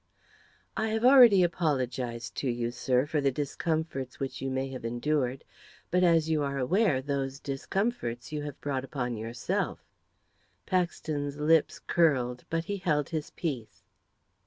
"I have already apologised to you, sir, for the discomforts which you may have endured; but, as you are aware, those discomforts you have brought upon yourself." Paxton's lips curled, but he held his peace.